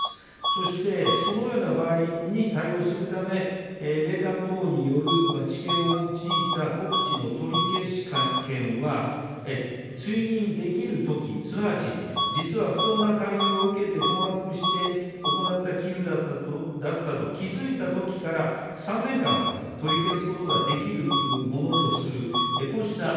そして、そのような場合に対応するため、霊感等による知見を用いた告知の取消権は、追認できるとき、すなわち実は不当な勧誘を受けて困惑して行った寄付だったと気付いたときから３年間は取り消すことができるものとする。